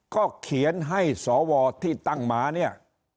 ก็เขียนให้สวที่ตั้งมาเนี่ย